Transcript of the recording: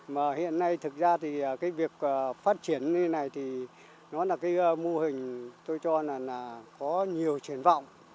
mà hiện nay thực ra thì cái việc phát triển như này thì nó là cái mô hình tôi cho là có nhiều triển vọng